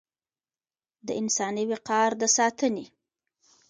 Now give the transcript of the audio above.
د انساني وقار د ساتنې